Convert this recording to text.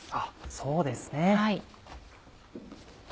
そうですね。